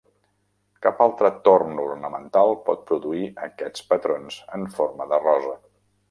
Cap altre torn ornamental pot produir aquests patrons en forma de rosa.